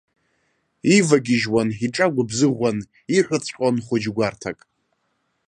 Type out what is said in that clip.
Ивагьежьуан, иҿагәыбзыӷуан, иҳәаҵәҟьон хәыҷгәарҭак.